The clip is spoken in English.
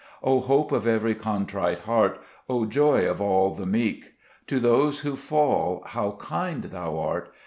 3 O Hope of every contrite heart, O Joy of all the meek, To those who fall, how kind Thou art